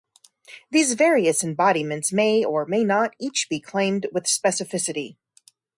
These various embodiments may or may not each be claimed with specificity.